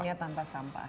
dunia tanpa sampah